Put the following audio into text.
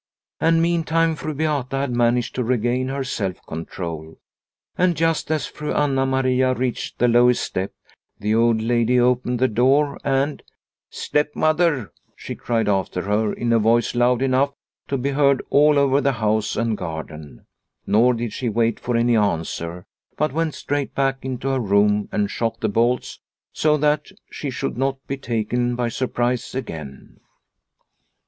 And meantime Fru Beata had managed to regain her self control, and just as Fru Anna Maria reached the lowest step, the old lady opened the door and " Stepmother !" she cried after her, in a voice loud enough to be heard all over the house and garden. Nor did she wait for any answer, but went straight back into her room and shot the bolts so that she should not be taken by surprise again.